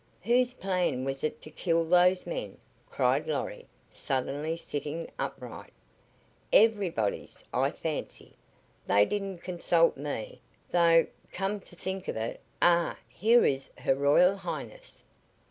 "Whose plan was it to kill those men?" cried Lorry, suddenly sitting upright. "Everybody's, I fancy. They didn't consult me, though, come to think of it. Ah, here is Her Royal Highness!"